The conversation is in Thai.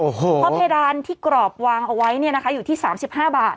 เพราะเพดานที่กรอบวางเอาไว้เนี่ยนะคะอยู่ที่๓๕บาท